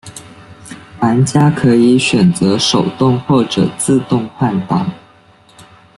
玩家可以选择手动或者自动换挡。